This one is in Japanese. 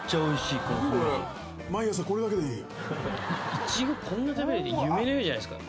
イチゴこんな食べれて夢のようじゃないですか？